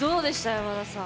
山田さん。